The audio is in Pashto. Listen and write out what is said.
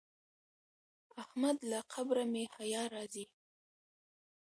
احمد له قبره مې حیا راځي.